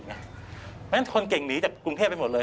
เพราะฉะนั้นคนเก่งหนีจากกรุงเทพไปหมดเลย